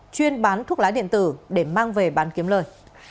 chuyên bán thuốc lá điện tử để mang về bán kiếm lời